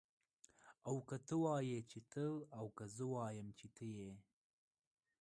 او که ته ووايي چې ته او که زه ووایم چه ته يې